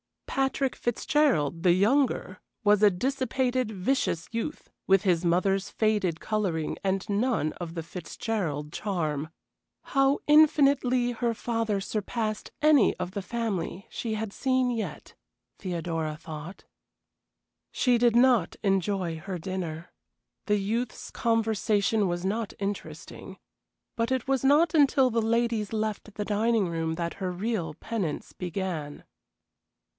Patrick Fitzgerald, the younger, was a dissipated, vicious youth, with his mother's faded coloring and none of the Fitzgerald charm. How infinitely her father surpassed any of the family she had seen yet, Theodora thought. She did not enjoy her dinner. The youth's conversation was not interesting. But it was not until the ladies left the dining room that her real penance began.